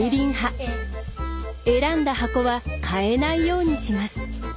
選んだ箱は変えないようにします。